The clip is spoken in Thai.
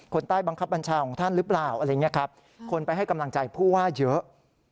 ใต้บังคับบัญชาของท่านหรือเปล่าอะไรอย่างนี้ครับคนไปให้กำลังใจผู้ว่าเยอะ